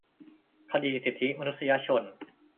คดีสิทธิมนุษยชน